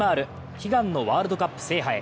悲願のワールドカップ制覇へ。